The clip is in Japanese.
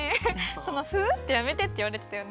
「その『フウ！』ってやめて」っていわれてたよね。